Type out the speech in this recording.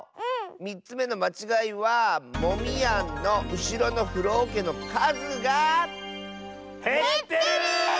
３つめのまちがいはモミヤンのうしろのふろおけのかずが。へってる！